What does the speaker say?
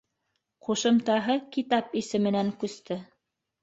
Ҡушымтаһы китап исеменән күсте.